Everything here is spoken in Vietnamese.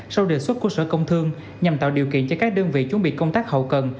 sau đề xuất của sở công thương nhằm tạo điều kiện cho các đơn vị chuẩn bị công tác hậu cần